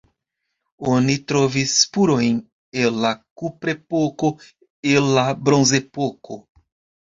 Oni trovis spurojn el la kuprepoko, el la bronzepoko.